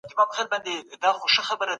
د غله لاس بايد د هغه د جرم په سبب پرې سي.